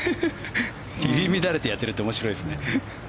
入り乱れてやっているって面白いですね。